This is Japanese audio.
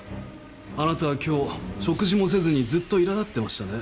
あなたは今日食事もせずにずっといら立ってましたね？